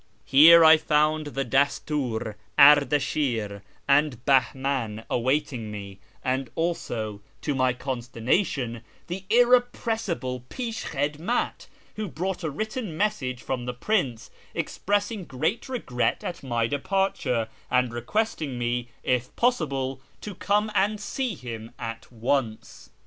Here I found the Dastiir, Ardashir, and Bahman YEZD 415 awaiting me, and also, to my consternation, the irrepressible pishhhidmat, who brought a written message from the prince, expressing great regret at my departure, and requesting me, if possible, to come and see him at once.